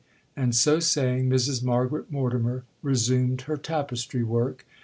'—And so saying, Mrs Margaret Mortimer resumed her tapestry work.